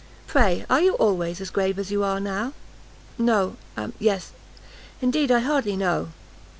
Pray are you always as grave as you are now?" "No, yes, indeed I hardly know."